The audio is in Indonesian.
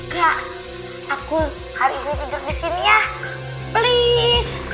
kak aku hari gue tidur di sini ya